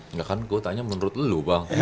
enggak kan gue tanya menurut lu bang